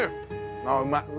ああうまい！